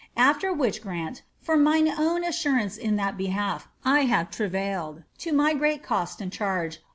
Afler which grant, r mine own assurance in that behalf, I have travailed, to my great cost and ■rge.